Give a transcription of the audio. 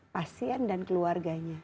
pasien dan keluarganya